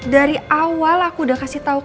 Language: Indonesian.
dari awal aku udah kasih tau